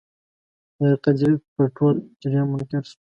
ظاهر قدیر پر ټول جریان منکر شو.